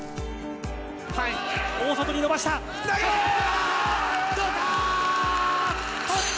大外に伸ばした。